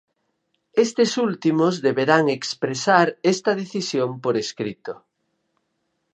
Estes últimos deberán expresar esta decisión por escrito.